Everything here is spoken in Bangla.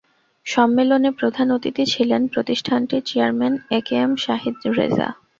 সম্মেলনে প্রধান অতিথি ছিলেন প্রতিষ্ঠানটির chairman A K M Sahid Reza.